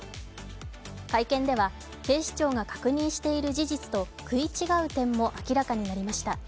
会見では警視庁が確認している事実と食い違う点も明らかになりました。